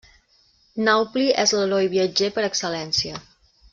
Naupli és l'heroi viatger per excel·lència.